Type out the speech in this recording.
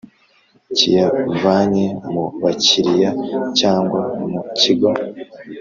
cyiyavanye mu bakiriya cyangwa mu Kigo